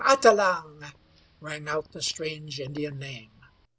Atelang!" rang out the strange Indian name.